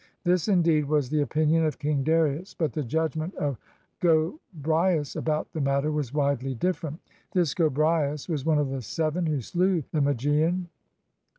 This, indeed, was the opinion of King Darius; but the judg ment of Gobryas about the matter was widely different. (This Gobryas was one of the seven who slew the Ma gian.)